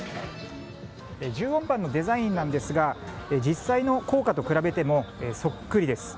１０ウォンパンのデザインなんですが実際の硬貨と比べてもそっくりです。